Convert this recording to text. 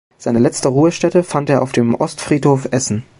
Seine letzte Ruhestätte fand er auf dem Ostfriedhof Essen.